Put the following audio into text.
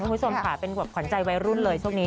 ดังพุทธศนภาพเป็นหวับขวัญใจไว้รุ่นเลยช่วงนี้